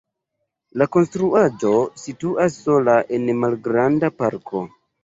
La konstruaĵo situas sola en malgranda parko.